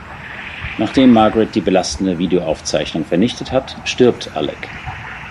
Nachdem Margaret die belastende Videoaufzeichnung vernichtet hat, stirbt Alek.